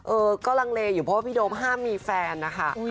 เออก็ลังเลอยู่เพราะว่าพี่โดมห้ามมีแฟนนะคะ